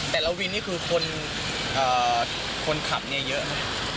แต่ละวินนี่คือคนขับเนี่ยเยอะครับ